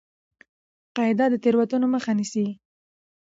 قاعده د تېروتنو مخه نیسي.